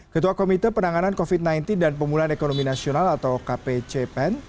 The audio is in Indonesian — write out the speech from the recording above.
ketua komite penanganan covid sembilan belas dan pemulihan ekonomi nasional atau kpcpen